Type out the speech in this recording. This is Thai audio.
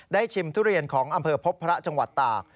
ได้ชิมทุเรียนของอำเภอพบพระ